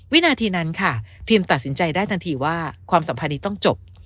วินาทีนั้นค่ะพิมตัดสินใจได้ทันทีว่าความสัมพันธ์นี้ต้องจบ